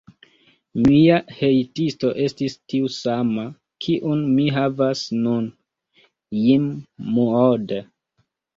Mia hejtisto estis tiu sama, kiun mi havas nun, Jim Moode.